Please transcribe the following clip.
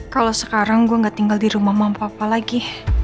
kalau sekarang gue gak tinggal di rumah mama papa lagi